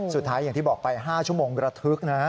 สุดท้ายอย่างที่บอกไป๕ชั่วโมงกระทึกนะ